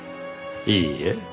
いいえ。